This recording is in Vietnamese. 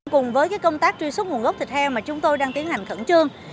cùng với công tác truy xuất nguồn gốc thịt heo mà chúng tôi đang tiến hành khẩn trương